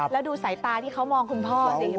แล้วดูสายตาที่เขามองคุณพ่อสิ